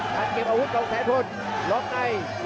การเก็บอาวุธของแสนทนล้อมใน